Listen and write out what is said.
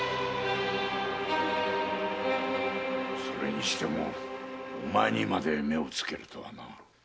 それにしてもお前にまで目をつけるとはな。